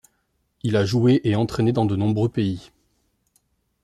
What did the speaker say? Il a joué et entraîné dans de nombreux pays.